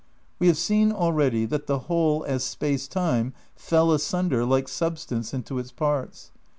"We have seen already that the Whole as Space Time fell asunder, like Substance, into its parts.